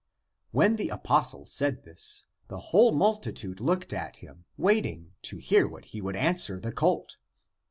When the apostle said this, the whole multi tude looked at him waiting, to hear what he would answer the colt.